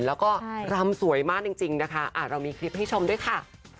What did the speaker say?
แล้วก็รำสวยมากจริงนะคะเรามีคลิปให้ชมด้วยค่ะ